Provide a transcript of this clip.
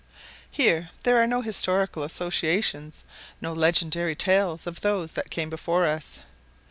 Here there are no historical associations, no legendary tales of those that came before us.